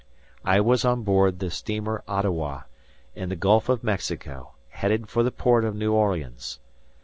I was on board the steamer Ottawa, in the Gulf of Mexico, headed for the port of New Orleans.